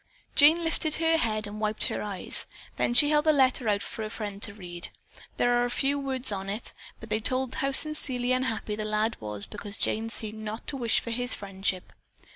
Jane lifted her head and wiped her eyes. Then she held the letter out for her friend to read. There were few words in it, but they told how sincerely unhappy the lad was because Jane seemed not to wish for his friendship.